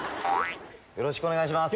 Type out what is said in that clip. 「よろしくお願いします」